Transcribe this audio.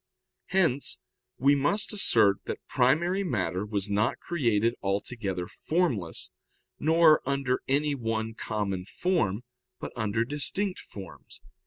Hence we must assert that primary matter was not created altogether formless, nor under any one common form, but under distinct forms.